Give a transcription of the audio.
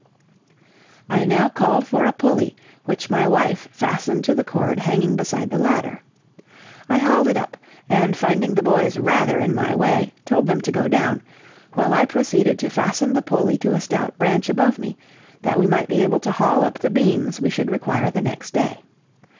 I now called for a pulley, which my wife fastened to the cord hanging beside the ladder. I hauled it up, and finding the boys rather in my way, told them to go down, while I proceeded to fasten the pulley to a stout branch above me, that we might be able to haul up the beams we should require the next day.